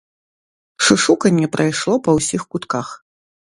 Шушуканне прайшло па ўсіх кутках.